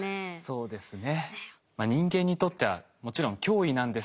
そうですね。